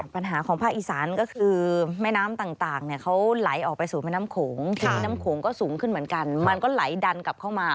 ปัญหาของภาคอีสานก็คือแม่น้ำต่างเนี่ยเขาไหลออกไปสู่แม่น้ำโขงคือแม่น้ำโขงก็สูงขึ้นเหมือนกันมันก็ไหลดันกลับเข้ามา